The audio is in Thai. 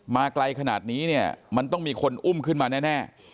ไกลขนาดนี้เนี่ยมันต้องมีคนอุ้มขึ้นมาแน่